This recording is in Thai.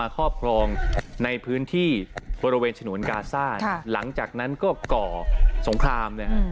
ครอบครองในพื้นที่บริเวณฉนวนกาซ่าหลังจากนั้นก็ก่อสงครามนะฮะ